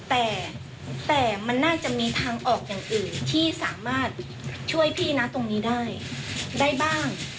แต่มันน่าจะมีทางออกอย่างอื่นที่สามารถช่วยพี่นะตรงนี้ได้ได้บ้าง